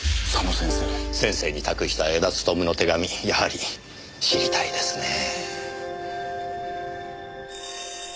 先生に託した江田勉の手紙やはり知りたいですねぇ。